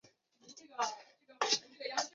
该名言在本片的片头再次重申。